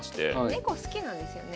ネコ好きなんですよね。